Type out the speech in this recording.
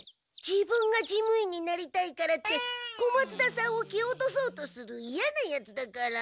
自分が事務員になりたいからって小松田さんをけ落とそうとするいやなヤツだから。